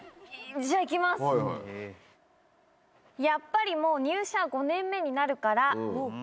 「やっぱりもう入社５年目になるから」。